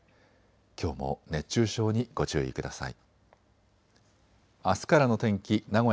きょうも熱中症にご注意ください。